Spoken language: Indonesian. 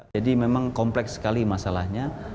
jadi memang kompleks sekali masalahnya